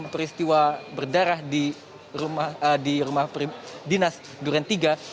peristiwa berdarah di rumah dinas durian iii